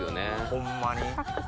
ホンマに。